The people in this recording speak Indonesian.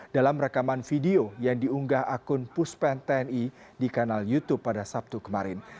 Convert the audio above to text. dalam rekaman video yang diunggah akun puspen tni di kanal youtube pada sabtu kemarin